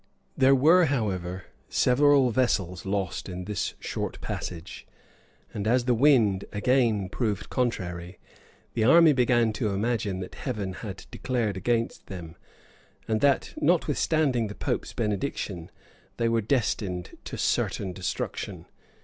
There were, however, several vessels lost in this short passage; and as the wind again proved contrary, the army began to imagine that Heaven had declared against them, and that, notwithstanding the pope's benediction, they were destined to certain destruction.